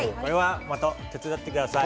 また手伝ってください。